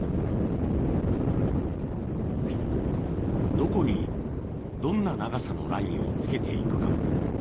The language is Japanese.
どこにどんな長さのラインをつけていくか。